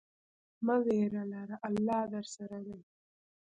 مه ویره لره، الله درسره دی.